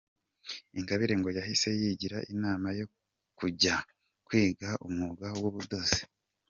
Ingabire ngo yahise yigira inama yo kujya kwiga umwuga w’ubudozi.